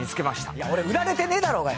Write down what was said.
いや、俺、売られてねえだろ！